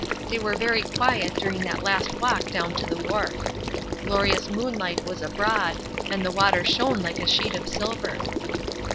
They were very quiet during that last walk down to the wharf. Glorious moonlight was abroad, and the water shone like a sheet of silver.